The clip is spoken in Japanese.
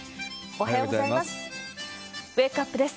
おはようございます。